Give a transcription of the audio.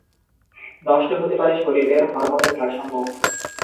নষ্ট হতে পারে শরীরের হরমোনের ভারসাম্য।